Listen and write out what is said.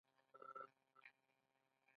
آیا د میلمه مخې ته ښه خواړه نه ایښودل کیږي؟